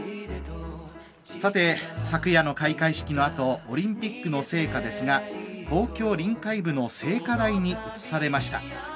昨夜の開会式のあとオリンピックの聖火ですが東京臨海部の聖火台に移されました。